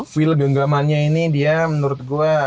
feel genggamannya ini dia menurut gue